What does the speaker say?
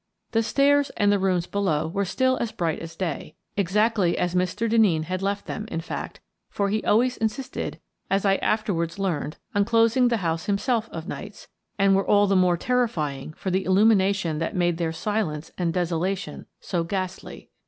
The stairs and the rooms below were still as bright as day — exactly as Mr. Denneen had left them, in fact, for he always insisted, as I afterwards learned, on closing the house himself of nights — and were all the more terrifying for the illumina tion that made their silence and desolation so ghastly.